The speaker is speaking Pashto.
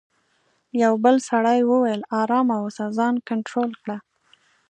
یوه بل سړي وویل: آرام اوسه، ځان کنټرول کړه.